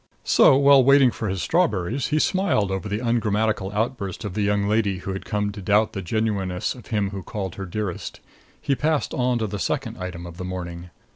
So, while waiting for his strawberries, he smiled over the ungrammatical outburst of the young lady who had come to doubt the genuineness of him who called her Dearest. He passed on to the second item of the morning.